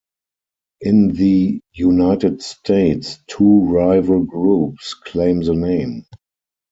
In the United States, two rival groups claim the name.